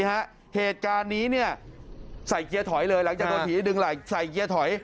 เหตุการณ์นี้เนี่ยใส่เกียร์ถอยเลยหลังจากโดนผีดึงไหล่ใส่เกียร์ถอย